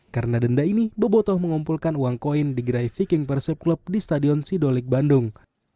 karena denda ini bobotoh mengumpulkan uang koin digerai viking persib club di stadion sidolik bandung